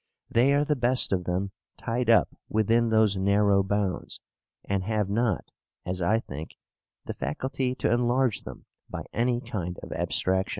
They are the best of them tied up within those narrow bounds, and have not (as I think) the faculty to enlarge them by any kind of abstraction.